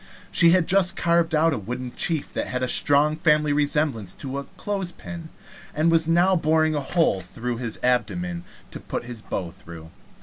She had just carved out a wooden chief that had a strong family resemblance to a clothes pin, and was now boring a hole through his abdomen to put his bow through.